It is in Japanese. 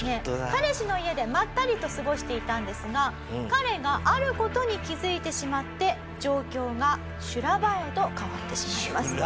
彼氏の家でまったりと過ごしていたんですが彼がある事に気づいてしまって状況が修羅場へと変わってしまいます。